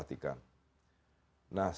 jadi kita harus mengatakan